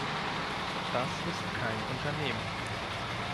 Das ist kein Unternehmen.